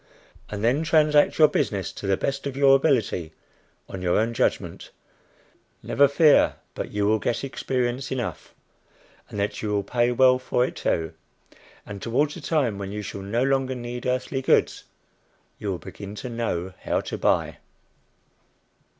and then transact your business to the best of your ability on your own judgment. Never fear but that you will get experience enough, and that you will pay well for it too; and towards the time when you shall no longer need earthly goods, you will begin to know how to buy.